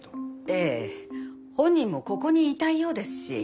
ええ本人もここにいたいようですし。